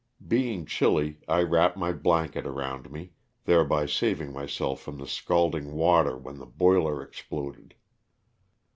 Being chilly I wrapped my blanket around me, thereby saving myself from the scalding water when the boiler exploded.